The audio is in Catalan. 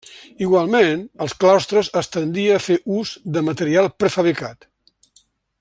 Igualment, als claustres es tendia a fer ús de material prefabricat.